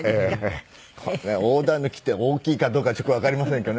大狸って大きいかどうかちょっとわかりませんけどね